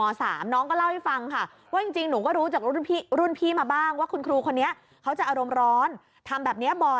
โอ้โหนะคะฟังพชแจงแล้วนะครับ